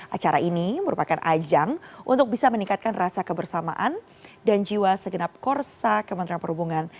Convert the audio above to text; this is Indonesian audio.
acara ini merupakan ajang untuk bisa meningkatkan rasa kebersamaan dan jiwa segenap korsa kementerian perhubungan